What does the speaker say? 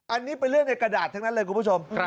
อันนี้เป็นเรื่องในกระดาษทั้งนั้นเลยคุณผู้ชม